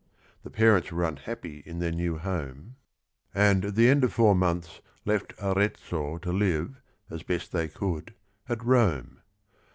The parents were unhappy in their new home, and at the end of four months left Arezzo to live, as best they could, at Rome.